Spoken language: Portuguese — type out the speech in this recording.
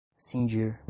cindir